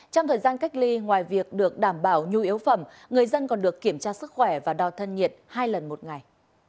trong thời gian cách ly ngoài việc được đảm bảo nhu yếu phẩm người dân còn được kiểm tra sức khỏe và đo thân nhiệt hai lần một ngày